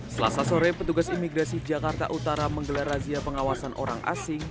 selasa sore petugas imigrasi jakarta utara menggelar razia pengawasan orang asing